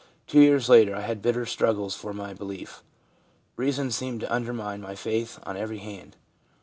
Two years later I had bitter struggles for my belief. Reason seemed to undermine my faith on every hand.